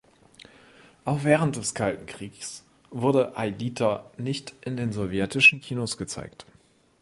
Auch während des Kalten Kriegs wurde "Aelita" nicht in den sowjetischen Kinos gezeigt.